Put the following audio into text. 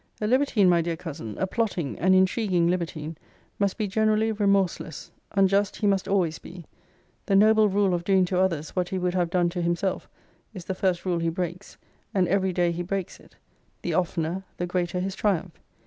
A libertine, my dear cousin, a plotting, an intriguing libertine, must be generally remorseless unjust he must always be. The noble rule of doing to others what he would have done to himself is the first rule he breaks; and every day he breaks it; the oftener, the greater his triumph.